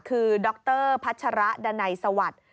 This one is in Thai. คือดรพัชระดันัยสวัสดิ์